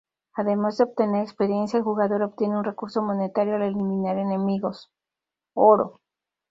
Además de obtener experiencia, el jugador obtiene un recurso monetario al eliminar enemigos: oro.